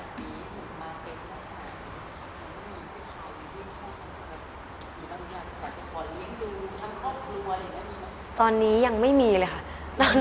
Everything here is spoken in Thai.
หุ่นมาเก็บมากขนาดนี้หุ่นมาเก็บมากขนาดนี้หุ่นมาเก็บมากขนาดนี้